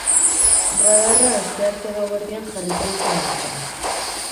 Radarra astearte gauerdian jarriko dute martxan.